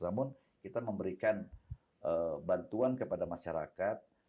namun kita memberikan bantuan kepada masyarakat